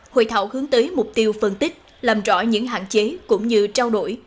hội thảo hướng tới mục tiêu phân tích làm rõ những hạn chế cũng như trao đổi